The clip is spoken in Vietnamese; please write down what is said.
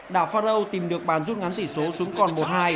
đảo faro tìm được bàn rút ngắn chỉ số xuống còn một hai